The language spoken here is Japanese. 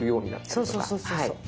そうそうそうそうそう。